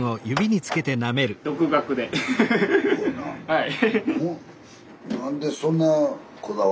はい。